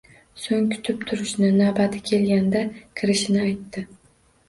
So`ng kutib turishni, navbati kelganda kirishini aytishdi